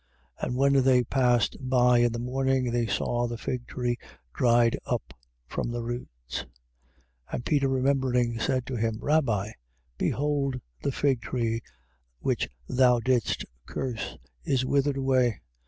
11:20. And when they passed by in the morning they saw the fig tree dried up from the roots. 11:21. And Peter remembering, said to him: Rabbi, behold the fig tree which thou didst curse is withered away.